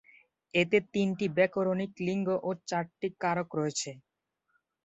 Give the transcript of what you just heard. এতে তিনটি ব্যাকরণিক লিঙ্গ ও চারটি কারক রয়েছে।